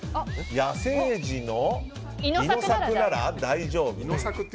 野生児のイノサクなら大丈夫。